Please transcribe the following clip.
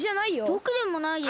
ぼくでもないよ。